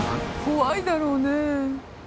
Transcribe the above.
怖いだろうね。